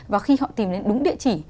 và khi họ tìm đến đúng địa chỉ